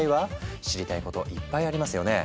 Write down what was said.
知りたいこといっぱいありますよね？